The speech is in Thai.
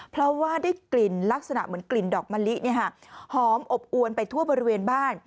เพราะว่าได้กลิ่นลักษณะเหมือนกลิ่นดอกมะลิหอมอบอวนไปทั่วบริเวณบ้าน